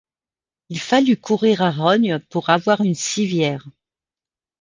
Il fallut courir à Rognes pour avoir une civière.